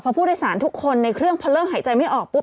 พอผู้โดยสารทุกคนในเครื่องพอเริ่มหายใจไม่ออกปุ๊